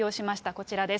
こちらです。